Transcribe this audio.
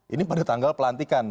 ini pada tanggal pelantikan